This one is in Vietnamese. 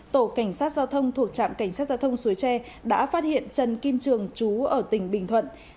tổ cảnh sát giao thông thuộc trạm cảnh sát giao thông suối tre đã phát hiện trần kim trường chú ở tỉnh bình thuận